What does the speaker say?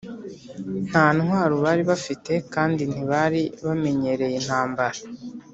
nta ntwaro bari bafite kandi ntibari bamenyereye intambara,